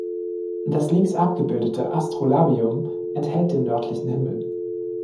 Das links abgebildete Astrolabium enthält den nördlichen Himmel.